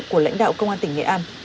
của lãnh đạo công an tỉnh nghệ an